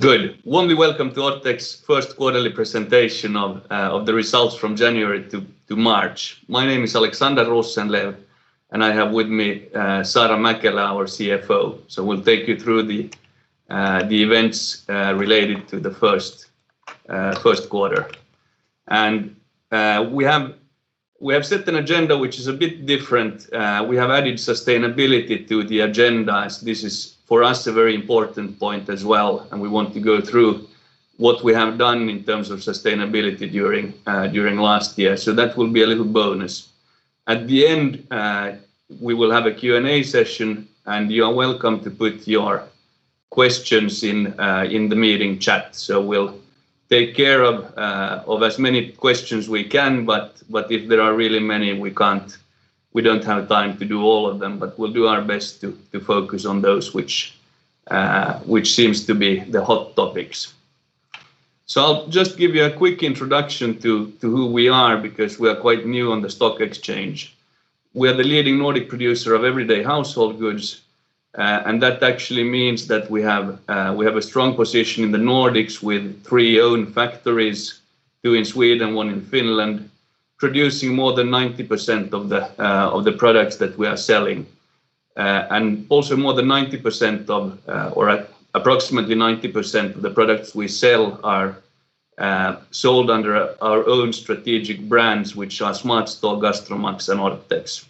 Good. Warmly welcome to Orthex first quarterly presentation of the results from January to March. My name is Alexander Rosenlew, and I have with me Saara Mäkelä, our CFO. We'll take you through the events related to the first quarter. We have set an agenda which is a bit different. We have added sustainability to the agenda, as this is, for us, a very important point as well, and we want to go through what we have done in terms of sustainability during last year. That will be a little bonus. At the end, we will have a Q&A session, and you are welcome to put your questions in the meeting chat. We'll take care of as many questions as we can, but if there are really many, we don't have time to do all of them. We'll do our best to focus on those which seem to be the hot topics. I'll just give you a quick introduction to who we are, because we are quite new on the stock exchange. We are the leading Nordic producer of everyday household goods, and that actually means that we have a strong position in the Nordics with three owned factories, two in Sweden, one in Finland, producing more than 90% of the products that we are selling. Approximately 90% of the products we sell are sold under our own strategic brands, which are SmartStore, GastroMax, and Orthex.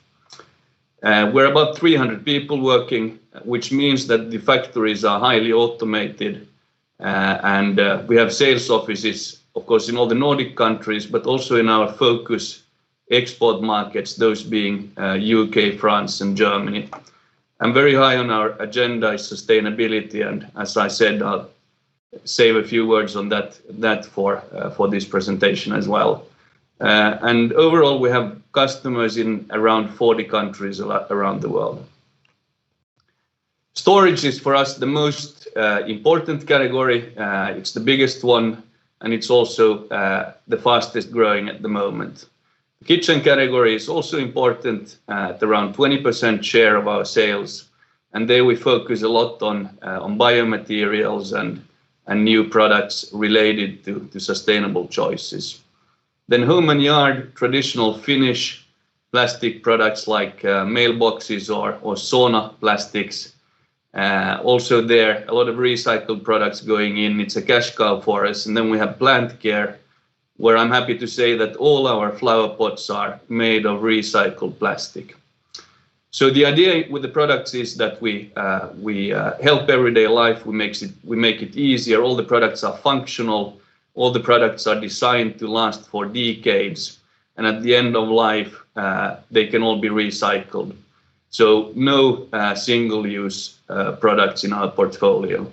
We're about 300 people working, which means that the factories are highly automated. We have sales offices, of course, in all the Nordic countries, but also in our focus export markets, those being U.K., France, and Germany. Very high on our agenda is sustainability, and as I said, I'll save a few words on that for this presentation as well. Overall, we have customers in around 40 countries around the world. Storage is, for us, the most important category. It's the biggest one, and it's also the fastest-growing at the moment. The kitchen category is also important at around 20% share of our sales, and there we focus a lot on biomaterials and new products related to sustainable choices. Home and yard, traditional Finnish plastic products like mailboxes or sauna plastics. Also there, a lot of recycled products going in. It's a cash cow for us. We have plant care, where I'm happy to say that all our flower pots are made of recycled plastic. The idea with the products is that we help everyday life. We make it easier. All the products are functional. All the products are designed to last for decades, and at the end of life, they can all be recycled. No single-use products in our portfolio.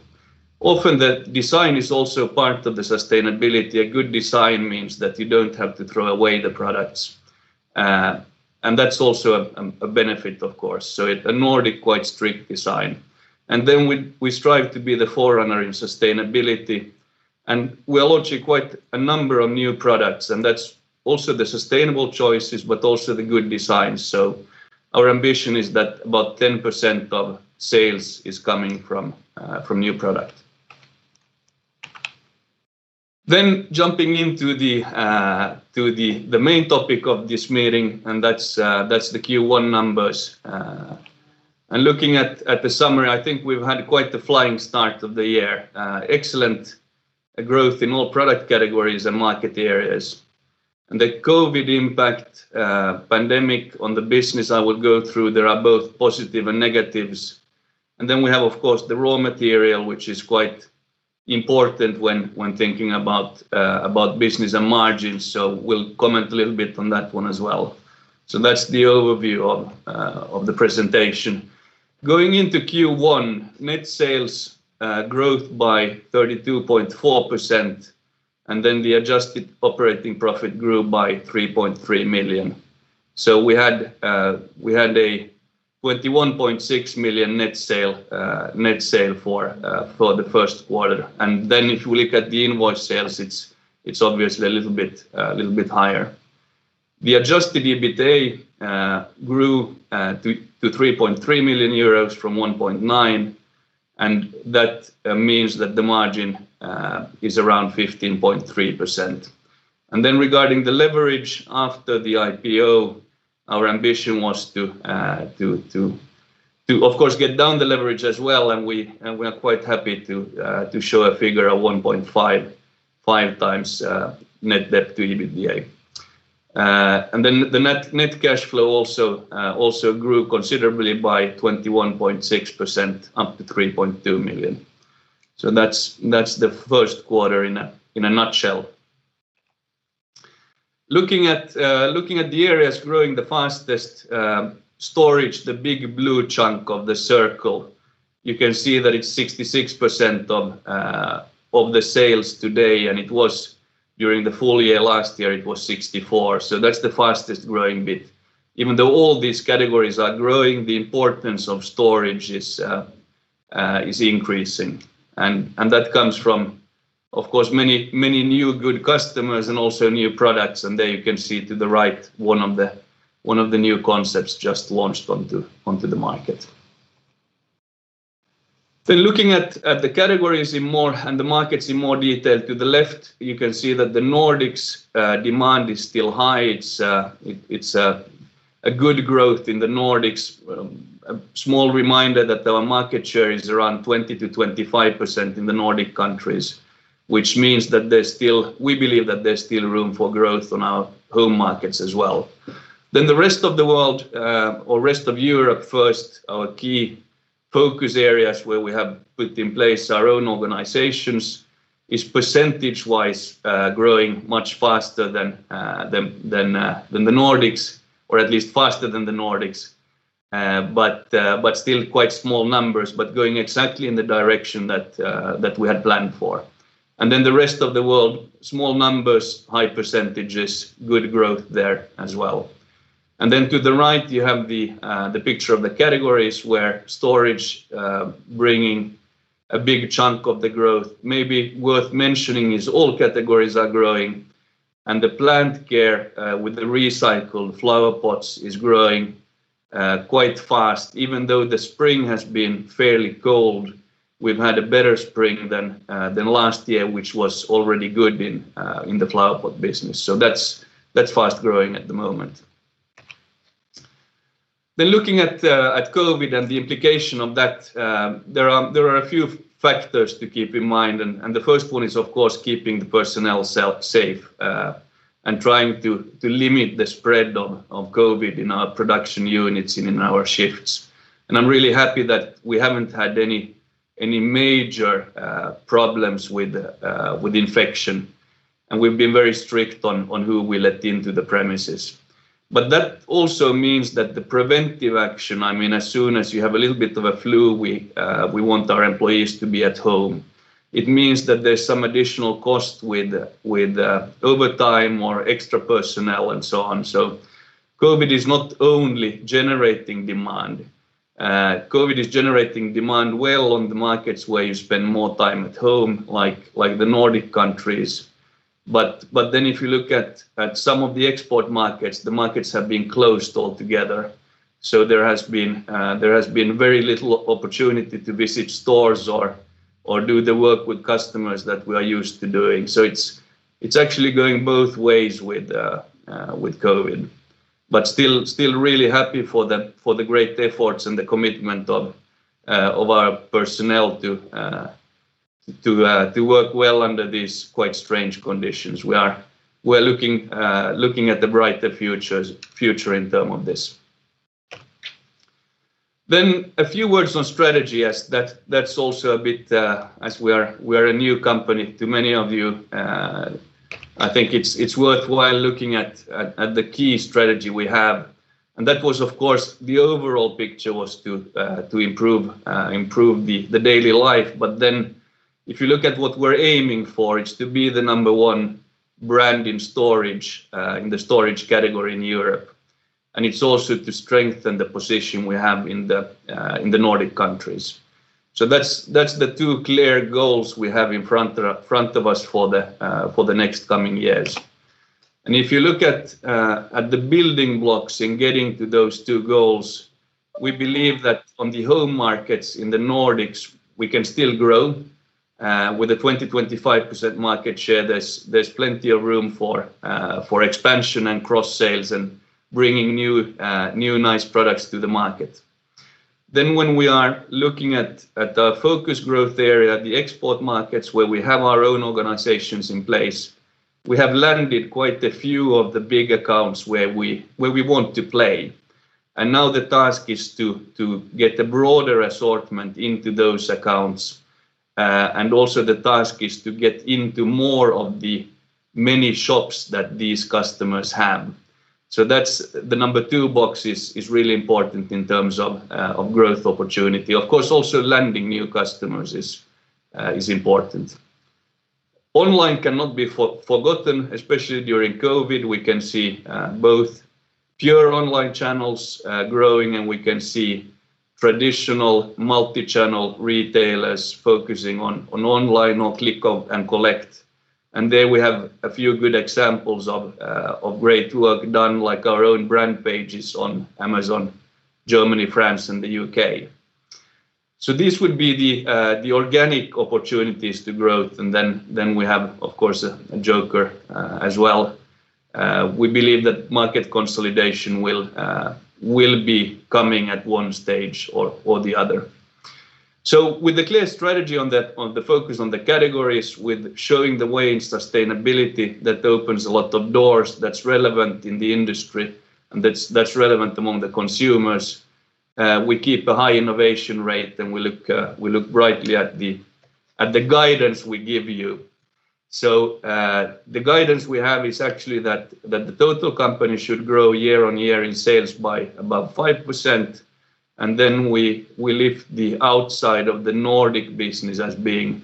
Often, the design is also part of the sustainability. A good design means that you don't have to throw away the products. That's also a benefit, of course. A Nordic, quite strict design. We strive to be the forerunner in sustainability. We launch quite a number of new products, and that's also the sustainable choices, but also the good design. Our ambition is that about 10% of sales is coming from new product. Jumping into the main topic of this meeting, and that's the Q1 numbers. Looking at the summary, I think we've had quite the flying start of the year. Excellent growth in all product categories and market areas. The COVID-19 impact pandemic on the business, I will go through. There are both positives and negatives. We have, of course, the raw material, which is quite important when thinking about business and margins. We'll comment a little bit on that one as well. That's the overview of the presentation. Going into Q1, net sales growth by 32.4%, and then the adjusted operating profit grew by 3.3 million. We had a 21.6 million net sale for the first quarter. If you look at the invoice sales, it's obviously a little bit higher. The adjusted EBITA grew to 3.3 million euros from 1.9 million, and that means that the margin is around 15.3%. Regarding the leverage after the IPO, our ambition was to, of course, get down the leverage as well, and we're quite happy to show a figure of 1.5 times net debt to EBITDA. The net cash flow also grew considerably by 21.6%, up to 3.2 million. That's the first quarter in a nutshell. Looking at the areas growing the fastest, storage, the big blue chunk of the circle. You can see that it's 66% of the sales today, and during the full year last year it was 64%, so that's the fastest-growing bit. Even though all these categories are growing, the importance of storage is increasing. That comes from, of course, many new good customers and also new products. There you can see to the right, one of the new concepts just launched onto the market. Looking at the categories and the markets in more detail. To the left, you can see that the Nordics demand is still high. It's a good growth in the Nordics. A small reminder that our market share is around 20%-25% in the Nordic countries, which means that we believe that there's still room for growth on our home markets as well. The rest of the world, or rest of Europe first, our key focus areas where we have put in place our own organizations, is percentage-wise growing much faster than the Nordics, or at least faster than the Nordics. Still quite small numbers, but going exactly in the direction that we had planned for. The rest of the world, small numbers, high percentages, good growth there as well. Then to the right you have the picture of the categories, where storage bringing a big chunk of the growth. Maybe worth mentioning is all categories are growing, and the plant care with the recycled flower pots is growing quite fast. Even though the spring has been fairly cold, we've had a better spring than last year, which was already good in the flower pot business. That's fast-growing at the moment. Looking at COVID and the implication of that, there are a few factors to keep in mind, and the first one is, of course, keeping the personnel safe, and trying to limit the spread of COVID in our production units and in our shifts. I'm really happy that we haven't had any major problems with infection. We've been very strict on who we let into the premises. That also means that the preventive action, as soon as you have a little bit of a flu, we want our employees to be at home. It means that there's some additional cost with overtime or extra personnel and so on. COVID is not only generating demand. COVID is generating demand well on the markets where you spend more time at home, like the Nordic countries. If you look at some of the export markets, the markets have been closed altogether. There has been very little opportunity to visit stores or do the work with customers that we are used to doing. It's actually going both ways with COVID. Still really happy for the great efforts and the commitment of our personnel to work well under these quite strange conditions. We're looking at the brighter future in term of this. A few words on strategy, as we are a new company to many of you, I think it's worthwhile looking at the key strategy we have. That was, of course, the overall picture was to improve the daily life. If you look at what we're aiming for, it's to be the number one brand in the storage category in Europe. It's also to strengthen the position we have in the Nordic countries. There we have a few good examples of great work done, like our own brand pages on Amazon, Germany, France and the U.K. These would be the organic opportunities to growth, and then we have, of course, a joker as well. We believe that market consolidation will be coming at one stage or the other. With the clear strategy on the focus on the categories, with showing the way in sustainability, that opens a lot of doors that's relevant in the industry and that's relevant among the consumers. We keep a high innovation rate, and we look brightly at the guidance we give you. The guidance we have is actually that the total company should grow year-on-year in sales by above 5%. We leave the outside of the Nordic business as being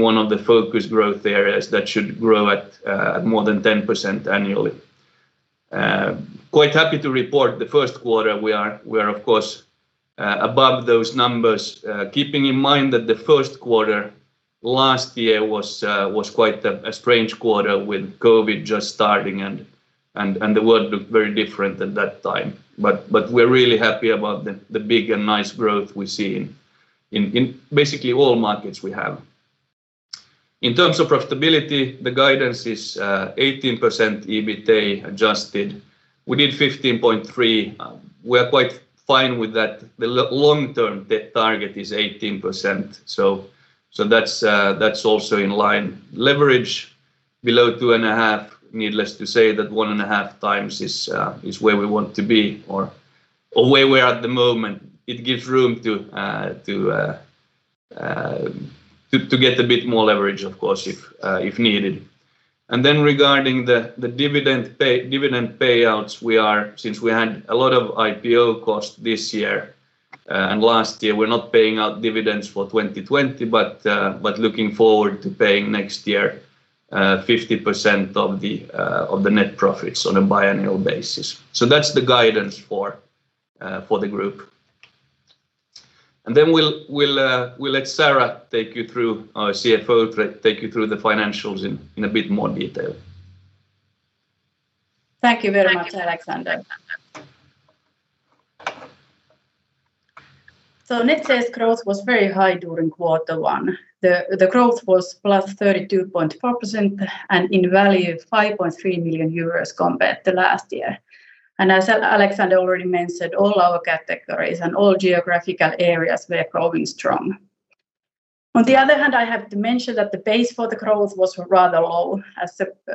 one of the focus growth areas that should grow at more than 10% annually. I'm quite happy to report the first quarter, we are above those numbers, keeping in mind that the first quarter last year was quite a strange quarter with COVID just starting and the world looked very different at that time. We're really happy about the big and nice growth we see in basically all markets we have. In terms of profitability, the guidance is 18% EBITDA adjusted. We did 15.3%. We are quite fine with that. The long-term target is 18%, so that's also in line. Leverage below 2.5. Needless to say that 1.5 times is where we want to be or where we're at the moment. It gives room to get a bit more leverage, of course, if needed. Regarding the dividend payouts, since we had a lot of IPO costs this year and last year, we're not paying out dividends for 2020, but looking forward to paying next year 50% of the net profits on a biennial basis. That's the guidance for the group. We'll let Saara, our CFO, take you through the financials in a bit more detail. Thank you very much, Alexander. Net sales growth was very high during Q1. The growth was +32.4% and in value 5.3 million euros compared to last year. As Alexander already mentioned, all our categories and all geographical areas were growing strong. On the other hand, I have to mention that the base for the growth was rather low,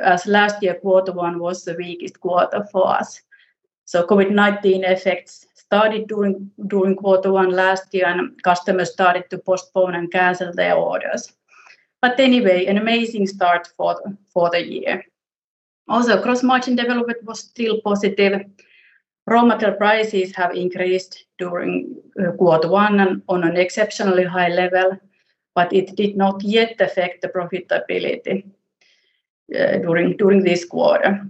as last year Q1 was the weakest quarter for us. COVID-19 effects started during Q1 last year, and customers started to postpone and cancel their orders. Anyway, an amazing start for the year. Also, gross margin development was still positive. Raw material prices have increased during Q1 on an exceptionally high level, but it did not yet affect the profitability during this quarter.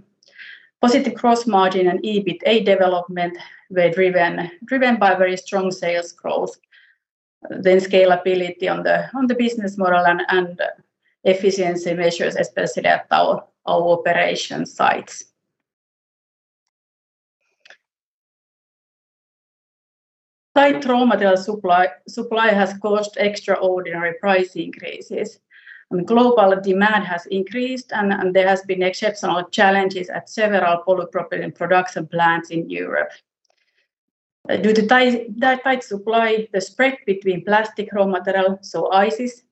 Positive gross margin and EBITDA development were driven by very strong sales growth, then scalability on the business model and efficiency measures, especially at our operation sites. Tight raw material supply has caused extraordinary price increases, and global demand has increased, and there has been exceptional challenges at several polypropylene production plants in Europe. Due to tight supply, the spread between plastic raw material, so ICIS,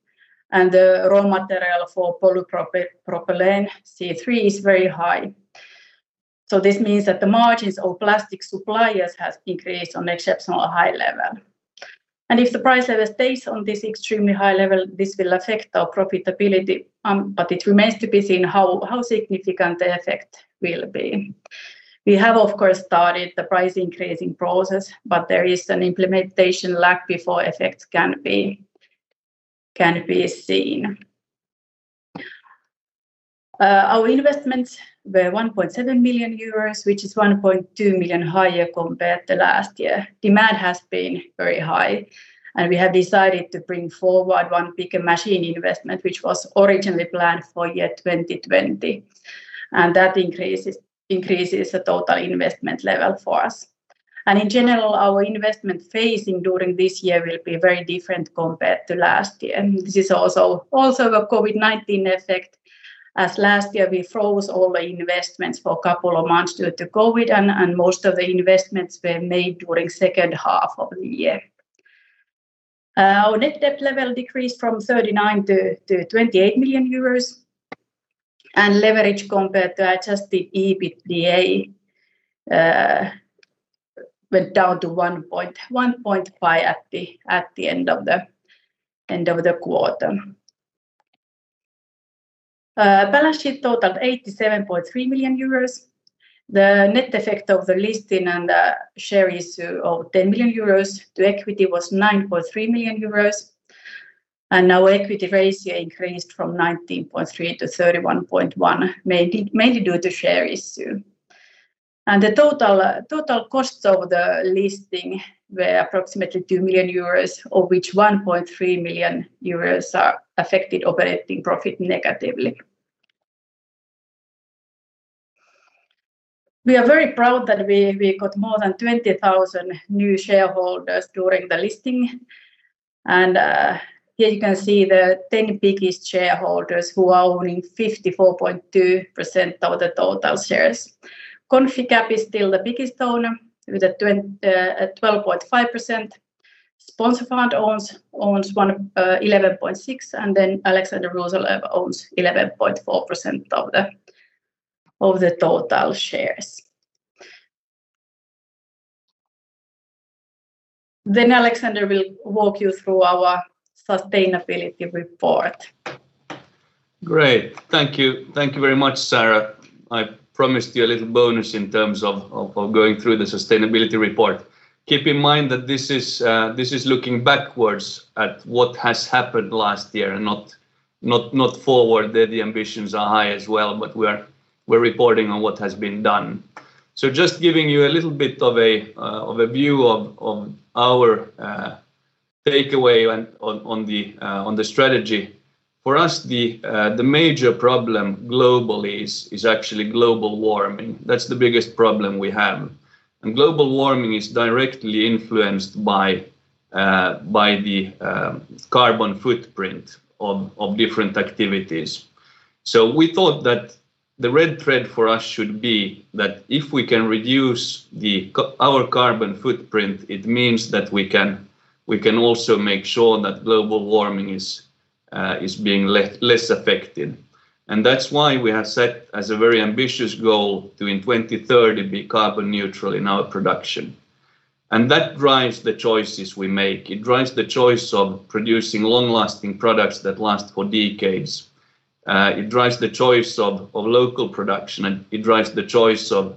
and the raw material for polypropylene, C3, is very high. This means that the margins of plastic suppliers has increased on exceptional high level. If the price ever stays on this extremely high level, this will affect our profitability, but it remains to be seen how significant the effect will be. We have, of course, started the price increasing process, but there is an implementation lag before effects can be seen. Our investments were 1.7 million euros, which is 1.2 million higher compared to last year. Demand has been very high. We have decided to bring forward one bigger machine investment, which was originally planned for year 2020. That increases the total investment level for us. In general, our investment phasing during this year will be very different compared to last year. This is also a COVID-19 effect, as last year, we froze all the investments for a couple of months due to COVID. Most of the investments were made during second half of the year. Our net debt level decreased from 39 million-28 million euros. Leverage compared to adjusted EBITDA went down to 1.5 at the end of the quarter. Balance sheet totaled 87.3 million euros. The net effect of the listing and the share issue of 10 million euros to equity was 9.3 million euros. Our equity ratio increased from 19.3% to 31.1%, mainly due to share issue. The total cost of the listing were approximately 2 million euros, of which 1.3 million euros affected operating profit negatively. We are very proud that we got more than 20,000 new shareholders during the listing. Here you can see the 10 biggest shareholders who are owning 54.2% of the total shares. Conficap is still the biggest owner with 12.5%. Sponsor Fund owns 11.6%. Alexander Rosenlew owns 11.4% of the total shares. Alexander will walk you through our sustainability report. Great. Thank you. Thank you very much, Saara. I promised you a little bonus in terms of going through the sustainability report. Keep in mind that this is looking backwards at what has happened last year and not forward. The ambitions are high as well, we're reporting on what has been done. Just giving you a little bit of a view of our takeaway on the strategy. For us, the major problem globally is actually global warming. That's the biggest problem we have. Global warming is directly influenced by the carbon footprint of different activities. We thought that the red thread for us should be that if we can reduce our carbon footprint, it means that we can also make sure that global warming is being less affected. That's why we have set as a very ambitious goal to, in 2030, be carbon neutral in our production. That drives the choices we make. It drives the choice of producing long-lasting products that last for decades. It drives the choice of local production, and it drives the choice of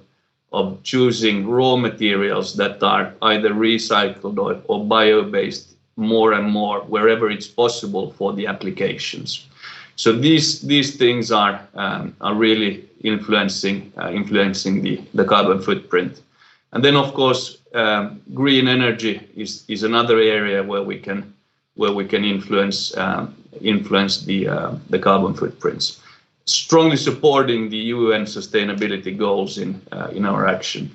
choosing raw materials that are either recycled or bio-based more and more wherever it's possible for the applications. These things are really influencing the carbon footprint. Then, of course, green energy is another area where we can influence the carbon footprints. Strongly supporting the UN sustainability goals in our action.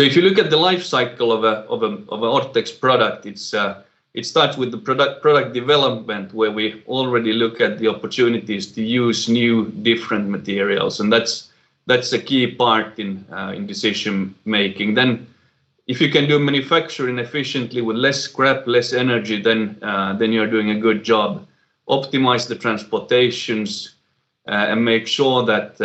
If you look at the life cycle of an Orthex product, it starts with the product development, where we already look at the opportunities to use new, different materials, and that's a key part in decision making. If you can do manufacturing efficiently with less scrap, less energy, then you're doing a good job. Optimize the transportations, and make sure that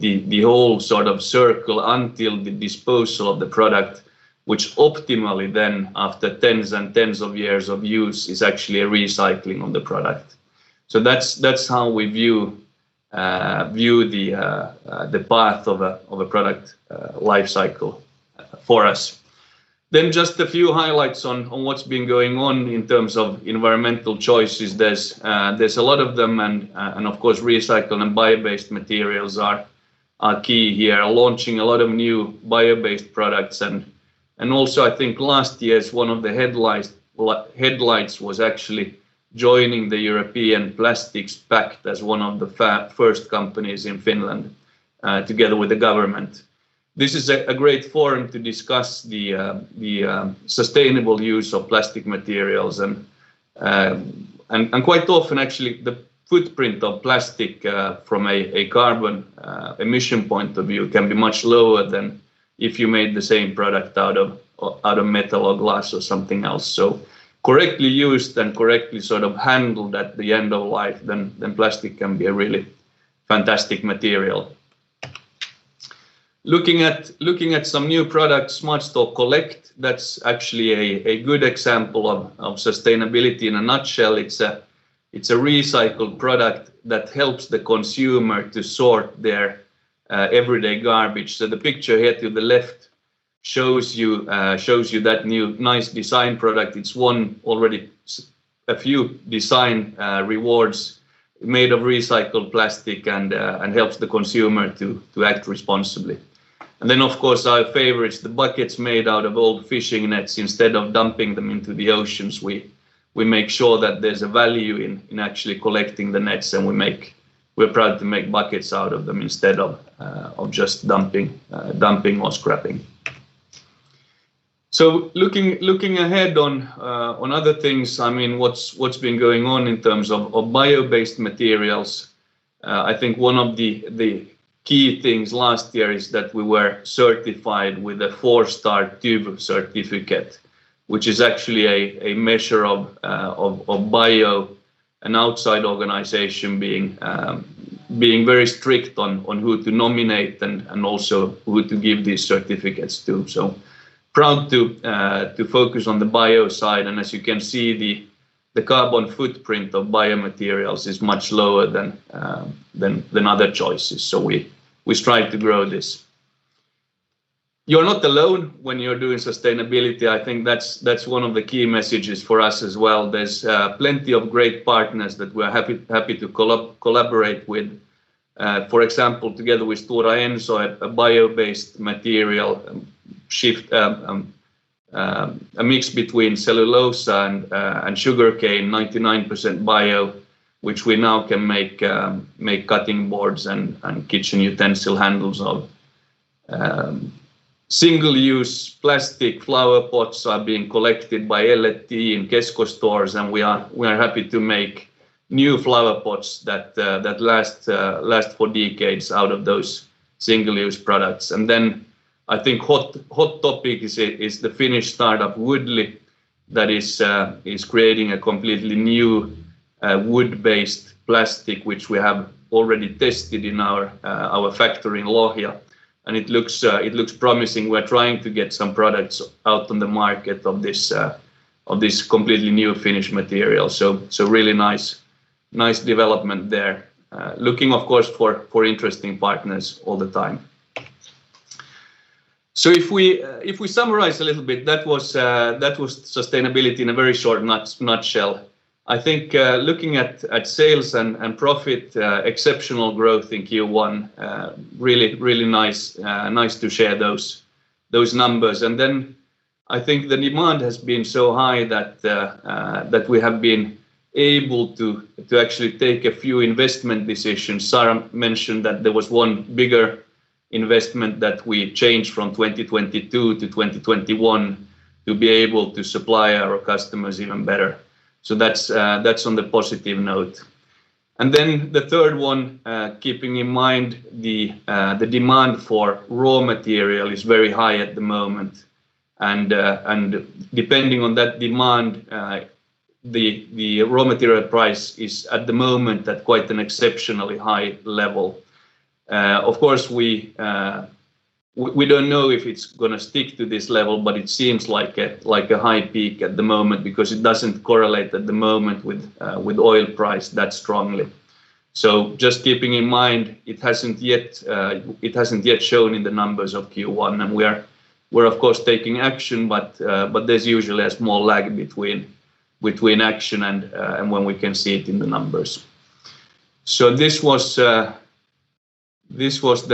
the whole sort of circle until the disposal of the product, which optimally then after tens and tens of years of use, is actually a recycling of the product. That's how we view the path of a product life cycle for us. Just a few highlights on what's been going on in terms of environmental choices. There's a lot of them and, of course, recycled and bio-based materials are key here. Launching a lot of new bio-based products and also I think last year's one of the headlines was actually joining the European Plastics Pact as one of the first companies in Finland, together with the government. This is a great forum to discuss the sustainable use of plastic materials. Quite often actually, the footprint of plastic, from a carbon emission point of view, can be much lower than if you made the same product out of metal or glass or something else. Correctly used and correctly handled at the end of life, then plastic can be a really fantastic material. Looking at some new products, SmartStore Collect, that's actually a good example of sustainability in a nutshell. It's a recycled product that helps the consumer to sort their everyday garbage. The picture here to the left shows you that new nice design product. It's won already a few design rewards. Made of recycled plastic and helps the consumer to act responsibly. Of course, our favorites, the buckets made out of old fishing nets. Instead of dumping them into the oceans, we make sure that there's a value in actually collecting the nets, and we're proud to make buckets out of them instead of just dumping or scrapping. Looking ahead on other things, what's been going on in terms of bio-based materials? I think one of the key things last year is that we were certified with a four-star TÜV certificate, which is actually a measure of bio, an outside organization being very strict on who to nominate and also who to give these certificates to. Proud to focus on the bio side, and as you can see, the carbon footprint of bio materials is much lower than other choices. We strive to grow this. You're not alone when you're doing sustainability. I think that's one of the key messages for us as well. There's plenty of great partners that we're happy to collaborate with. For example, together with Stora Enso had a bio-based material shift, a mix between cellulose and sugarcane, 99% bio, which we now can make cutting boards and kitchen utensil handles of. Single-use plastic flower pots are being collected by L&T in Kesko stores. We are happy to make new flower pots that last for decades out of those single-use products. I think hot topic is the Finnish startup, Woodly, that is creating a completely new wood-based plastic, which we have already tested in our factory in Lohja, and it looks promising. We're trying to get some products out on the market of this completely new Finnish material. Really nice development there. Looking, of course, for interesting partners all the time. If we summarize a little bit, that was sustainability in a very short nutshell. I think looking at sales and profit, exceptional growth in Q1, really nice to share those numbers. I think the demand has been so high that we have been able to actually take a few investment decisions. Saara mentioned that there was one bigger investment that we changed from 2022 to 2021 to be able to supply our customers even better. That's on the positive note. The third one keeping in mind the demand for raw material is very high at the moment, and depending on that demand, the raw material price is at the moment at quite an exceptionally high level. Of course, we don't know if it's going to stick to this level, but it seems like a high peak at the moment because it doesn't correlate at the moment with oil price that strongly. Just keeping in mind, it hasn't yet shown in the numbers of Q1. We're of course taking action, but there's usually a small lag between action and when we can see it in the numbers. This was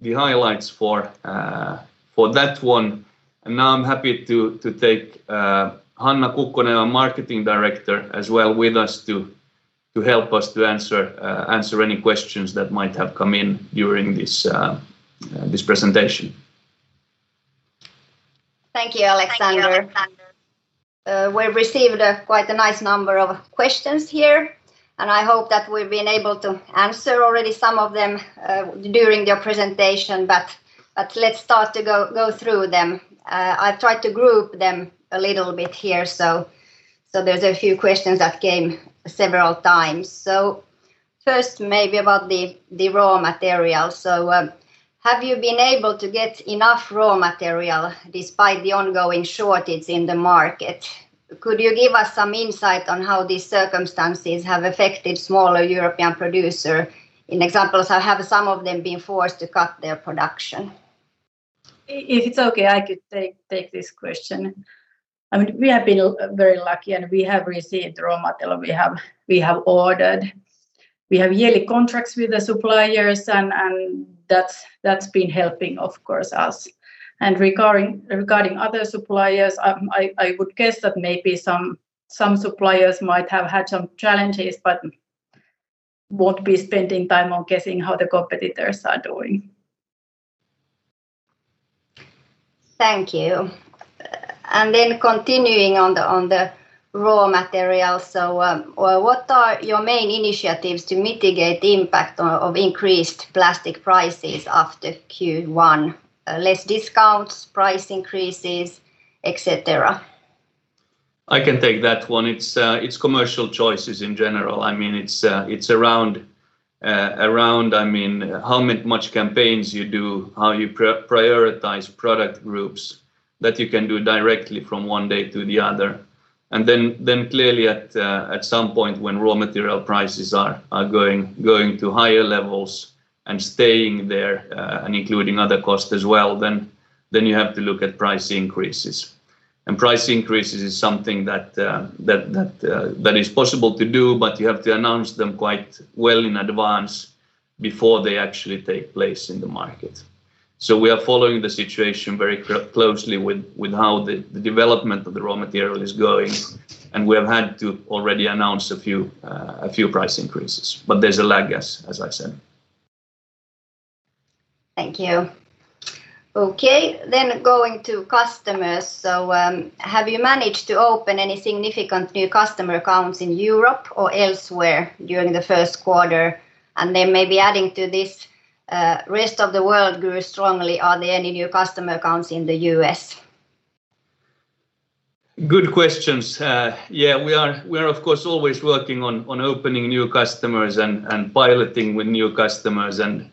the highlights for that one. Now I'm happy to take Hanna Kukkonen, our Marketing Director, as well with us to help us to answer any questions that might have come in during this presentation. Thank you, Alexander. We've received quite a nice number of questions here, and I hope that we've been able to answer already some of them during your presentation, but let's start to go through them. I've tried to group them a little bit here, so there's a few questions that came several times. First maybe about the raw materials. Have you been able to get enough raw material despite the ongoing shortage in the market? Could you give us some insight on how these circumstances have affected smaller European producer? In examples, have some of them been forced to cut their production? If it's okay, I could take this question. We have been very lucky, and we have received the raw material we have ordered. We have yearly contracts with the suppliers, and that's been helping, of course, us. Regarding other suppliers, I would guess that maybe some suppliers might have had some challenges but won't be spending time on guessing how the competitors are doing. Thank you. Continuing on the raw materials, what are your main initiatives to mitigate the impact of increased plastic prices after Q1? Less discounts, price increases, etc. I can take that one. It's commercial choices in general. It's around how much campaigns you do, how you prioritize product groups that you can do directly from one day to the other. Then clearly at some point when raw material prices are going to higher levels and staying there, and including other costs as well, then you have to look at price increases. Price increases is something that is possible to do, but you have to announce them quite well in advance before they actually take place in the market. We are following the situation very closely with how the development of the raw material is going, and we have had to already announce a few price increases, but there's a lag, as I said. Thank you. Okay, going to customers. Have you managed to open any significant new customer accounts in Europe or elsewhere during the first quarter? Maybe adding to this, rest of the world grew strongly. Are there any new customer accounts in the U.S.? Good questions. We are of course always working on opening new customers and piloting with new customers and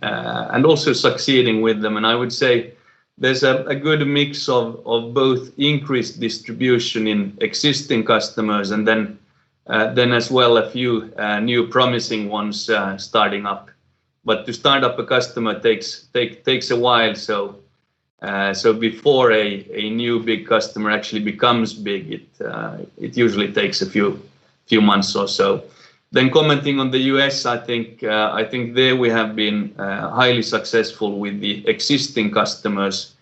also succeeding with them. I would say there's a good mix of both increased distribution in existing customers and as well, a few new promising ones starting up. To start up a customer takes a while. Before a new big customer actually becomes big, it usually takes a few months or so. Commenting on the U.S., I think there we have been highly successful with the existing customers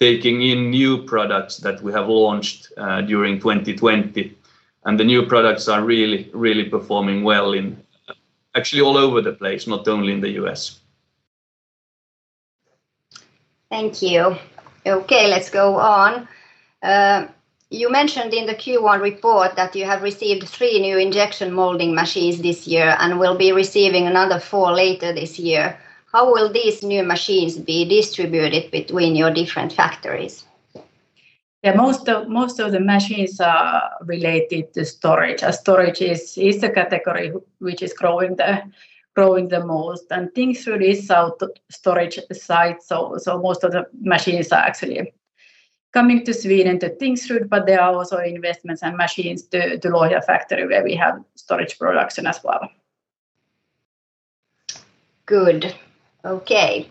taking in new products that we have launched during 2020, and the new products are really performing well in actually all over the place, not only in the U.S. Thank you. Okay, let's go on. You mentioned in the Q1 report that you have received three new injection molding machines this year and will be receiving another four later this year. How will these new machines be distributed between your different factories? Yeah, most of the machines are related to storage, as storage is the category which is growing the most, and Tingsryd is our storage site, so most of the machines are actually coming to Sweden, to Tingsryd, but there are also investments and machines to Lohja factory where we have storage products as well. Good. Okay.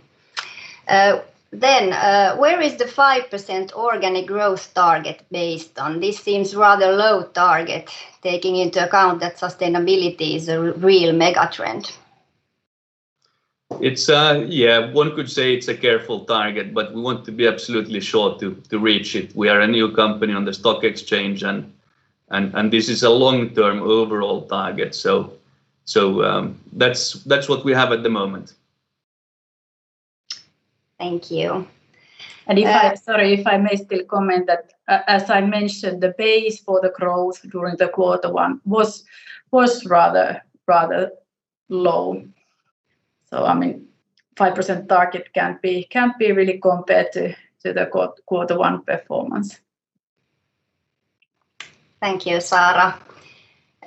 Where is the 5% organic growth target based on? This seems rather low target taking into account that sustainability is a real mega trend. One could say it's a careful target, but we want to be absolutely sure to reach it. We are a new company on the stock exchange and this is a long-term overall target. That's what we have at the moment. Thank you. Sorry, if I may still comment that, as I mentioned, the base for the growth during the quarter one was rather low. The 5% target can't be really compared to the quarter one performance. Thank you, Saara.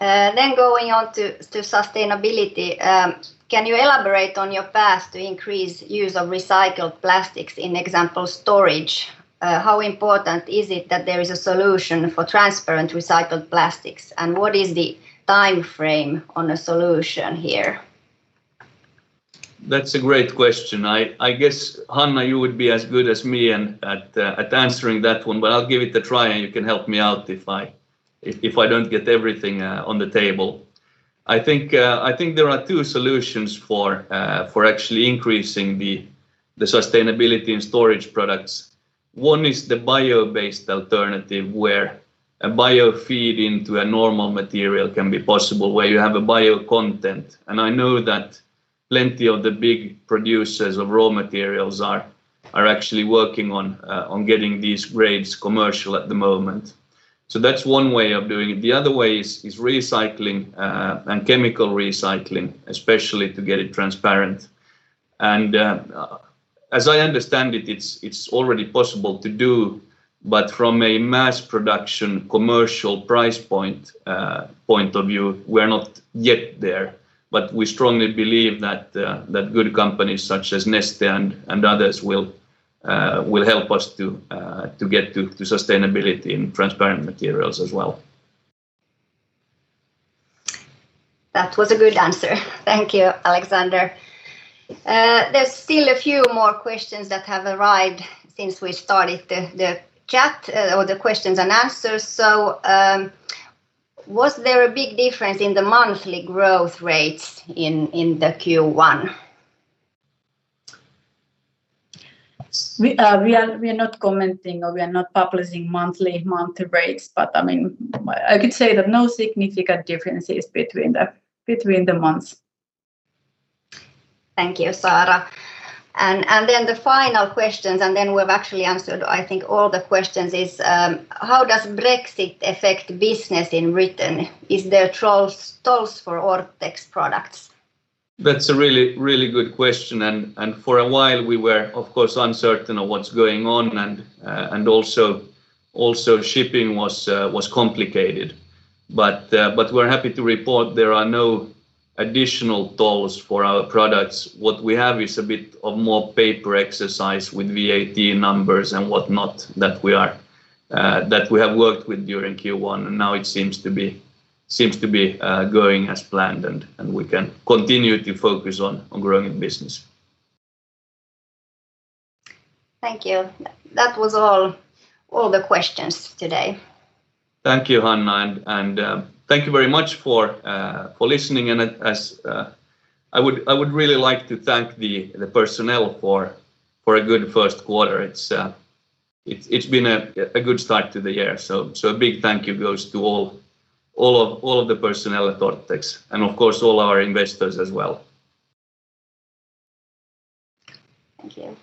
Going on to sustainability, can you elaborate on your path to increase use of recycled plastics in example storage? How important is it that there is a solution for transparent recycled plastics, and what is the timeframe on a solution here? That's a great question. I guess, Hanna, you would be as good as me at answering that one, but I'll give it a try and you can help me out if I don't get everything on the table. I think there are two solutions for actually increasing the sustainability in storage products. One is the bio-based alternative where a bio feed into a normal material can be possible, where you have a bio content. I know that plenty of the big producers of raw materials are actually working on getting these grades commercial at the moment. That's one way of doing it. The other way is recycling, and chemical recycling, especially to get it transparent. As I understand it's already possible to do, but from a mass production commercial price point of view, we're not yet there. We strongly believe that good companies such as Neste and others will help us to get to sustainability in transparent materials as well. That was a good answer. Thank you, Alexander. There's still a few more questions that have arrived since we started the chat, or the questions and answers. Was there a big difference in the monthly growth rates in the Q1? We are not commenting or we are not publishing monthly rates, but I could say that no significant differences between the months. Thank you, Saara. The final questions, and then we've actually answered, I think all the questions, is how does Brexit affect business in Britain? Is there tolls for Orthex products? That's a really good question, and for a while we were of course, uncertain of what's going on, and also shipping was complicated. We're happy to report there are no additional tolls for our products. What we have is a bit of more paper exercise with VAT numbers and whatnot that we have worked with during Q1, and now it seems to be going as planned and we can continue to focus on growing business. Thank you. That was all the questions today. Thank you, Hanna, and thank you very much for listening and I would really like to thank the personnel for a good first quarter. It's been a good start to the year, so a big thank you goes to all of the personnel at Orthex, and of course, all our investors as well. Thank you.